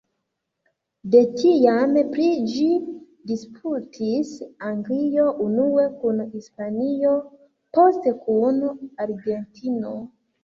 De tiam pri ĝi disputis Anglio unue kun Hispanio, poste kun Argentino.